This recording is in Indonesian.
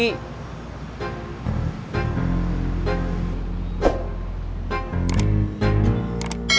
dan kita bisa berjalan ke tempat lain